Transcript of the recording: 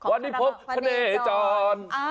วันนี้พบคเนจร